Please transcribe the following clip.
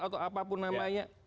atau apapun namanya